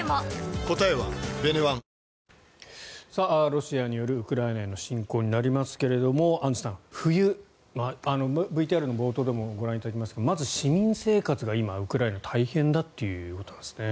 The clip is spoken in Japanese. ロシアによるウクライナへの侵攻になりますがアンジュさん、冬ＶＴＲの冒頭でもご覧いただきましたがまず市民生活が今、ウクライナは大変だということなんですね。